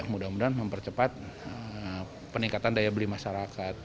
mudah mudahan mempercepat peningkatan daya beli masyarakat